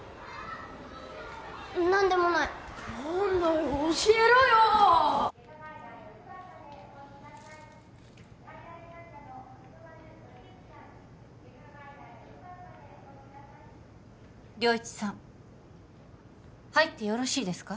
何でもない何だよ教えろよ良一さん入ってよろしいですか？